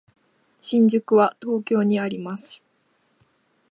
新宿は東京にあります。